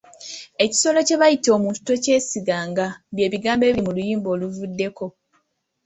Ekisolo kye bayita omuntu tokyesiganga, by'ebigambo ebiri mu luyimba oluvuddeko.